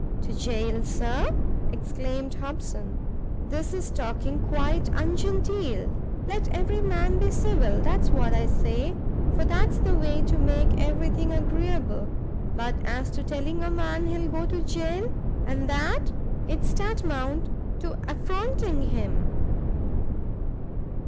"To jail, Sir?" exclaimed Hobson, "this is talking quite ungenteel! let every man be civil; that's what I say, for that's the way to make every thing agreeable but as to telling a man he'll go to jail, and that, it's tantamount to affronting him."